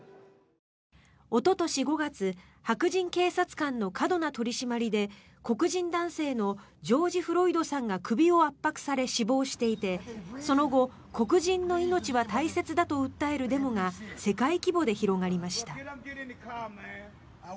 おととし５月白人警察官の過度な取り締まりで黒人男性のジョージ・フロイドさんが首を圧迫され死亡していてその後、黒人の命は大切だと訴えるデモが世界規模で広がりました。